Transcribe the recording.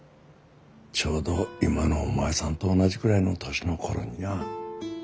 ちょうど今のお前さんと同じくらいの年の頃ににゃ。